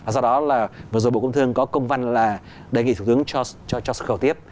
do đó là vừa rồi bộ công thương có công văn là đề nghị thủ tướng cho xuất khẩu tiếp